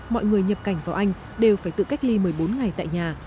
mọi người nhập cảnh vào anh đều phải tự cách ly một mươi bốn ngày tại nhà